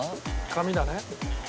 紙だね。